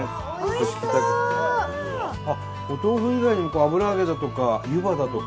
お豆腐以外にも油揚げだとか湯葉だとか。